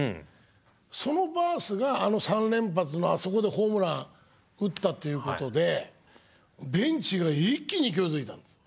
そのバースがあの三連発のあそこでホームラン打ったっていうことでベンチが一気に勢いづいたんです。